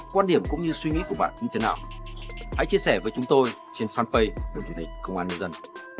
quan điểm cũng như suy nghĩ của bạn như thế nào hãy chia sẻ với chúng tôi trên fanpage của chủ tịch công an nguyên dân